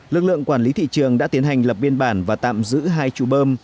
lực lượng quản lý thị trường đã tiến hành lập biên bản và tạm giữ hai trụ bơm